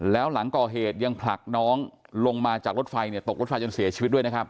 แล้วหลังก่อเหตุยังผลักน้องลงมาจากรถไฟตกรถไฟจนเสียชีวิตด้วยนะครับ